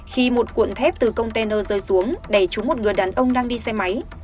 khi một cuộn thép từ container rơi xuống đè trúng một người đàn ông đang đi xe máy